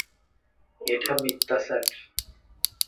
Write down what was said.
এটা মিথ্যা স্যার।